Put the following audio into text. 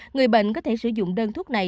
người bệnh có thể sử dụng đơn thuốc này